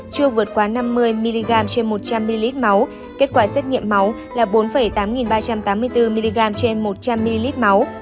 chưa vượt quá năm mươi mg trên một trăm linh ml máu kết quả xét nghiệm máu là bốn tám ba trăm tám mươi bốn mg trên một trăm linh ml máu